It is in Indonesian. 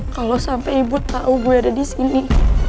kalau sampai ibu tahu gue ada di sini